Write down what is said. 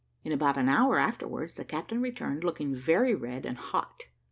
In about an hour afterwards the captain returned, looking very red and hot.